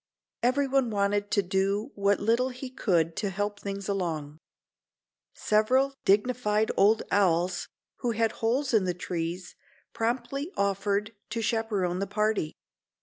Everyone wanted to do what little he could to help things along. Several dignified old owls, who had holes in the trees, promptly offered to chaperone the party.